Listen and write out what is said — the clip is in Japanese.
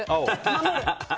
守る。